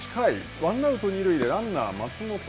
ワンアウト、二塁でランナー松本。